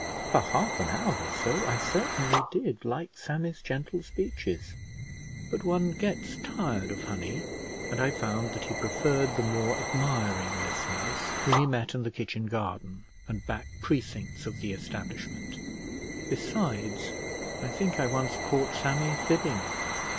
For half an hour or so I certainly did like Sammy's gentle speeches; but one gets tired of honey, and I found that he preferred the more admiring listeners whom he met in the kitchen garden and back precincts of the establishment; besides, I think I once caught Sammy fibbing.